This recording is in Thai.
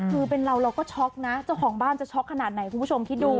คือเป็นเราเราก็ช็อกนะเจ้าของบ้านจะช็อกขนาดไหนคุณผู้ชมคิดดู